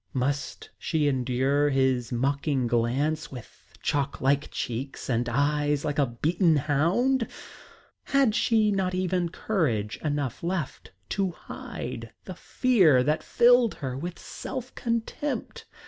Must she endure his mocking glance with chalk like cheeks and eyes like a beaten hound? Had she not even courage enough left to hide the fear that filled her with self contempt?